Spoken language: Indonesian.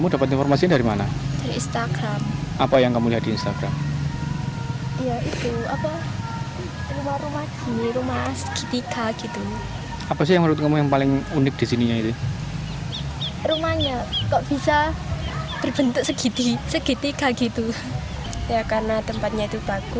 dan melepas penat